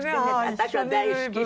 私は大好き。